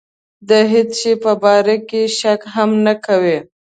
د هېڅ شي په باره کې شک هم نه کوي.